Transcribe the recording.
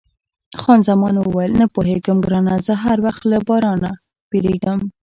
خان زمان وویل، نه پوهېږم ګرانه، زه هر وخت له بارانه بیریږم.